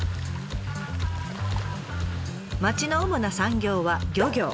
町の主な産業は漁業。